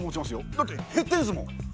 だって減ってんですもん。